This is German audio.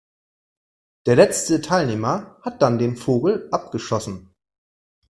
Der letzte Teilnehmer hat dann den Vogel abgeschossen.